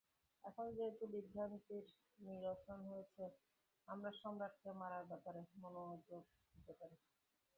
এখন যেহেতু বিভ্রান্তির নিরসন হয়েছে, আমরা সম্রাটকে মারার ব্যাপারে মনোযোগ দিতে পারি।